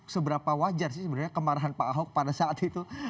seberapa wajar sih sebenarnya kemarahan pak ahok pada saat itu